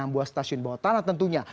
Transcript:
enam buah stasiun bawah tanah tentunya